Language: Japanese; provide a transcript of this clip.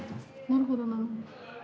なるほどなるほど。